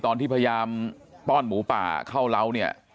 ตอนที่พยายามป้อนหมูป่าเข้าเล้าเนี่ย